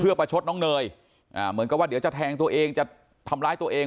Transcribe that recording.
เพื่อประชดน้องเนยเหมือนกับว่าเดี๋ยวจะแทงตัวเองจะทำร้ายตัวเอง